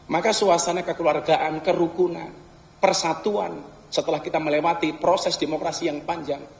maka suasana kekeluargaan kerukunan persatuan setelah kita melewati proses demokrasi yang panjang